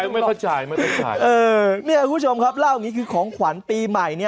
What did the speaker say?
ไม่เข้าใจไม่เข้าใจ